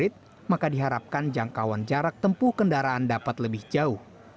sistem hybrid maka diharapkan jangkauan jarak tempuh kendaraan dapat lebih jauh